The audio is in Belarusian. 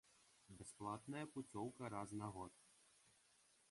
Бясплатная пуцёўка раз на год.